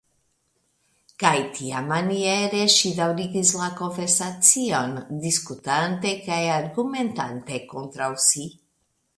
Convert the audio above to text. Kaj tiamaniere ŝi daŭrigis la konversacion, diskutante kaj argumentante kontraŭ si.